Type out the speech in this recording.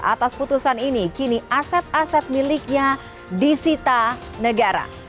atas putusan ini kini aset aset miliknya disita negara